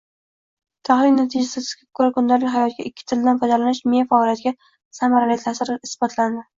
Tahlil natijasiga koʻra, kundalik hayotda ikki tildan foydalanish miya faoliyatiga samarali taʼsir qilishi isbotlandi.